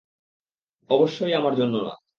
অবশ্যই আমার জন্য না।